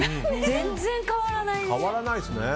全然変わらないね。